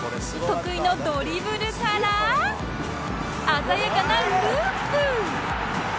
得意のドリブルから鮮やかなループ！